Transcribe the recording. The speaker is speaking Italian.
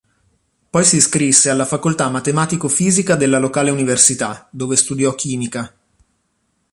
Poi si iscrisse alla facoltà matematico-fisica della locale università, dove studiò chimica.